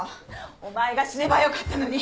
お前が死ねばよかったのに